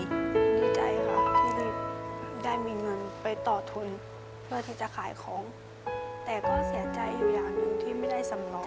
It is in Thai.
ดีใจค่ะที่ได้มีเงินไปต่อทุนเพื่อที่จะขายของแต่ก็เสียใจอยู่อย่างหนึ่งที่ไม่ได้สำรอง